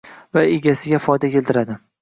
va egasiga foyda keltiradi.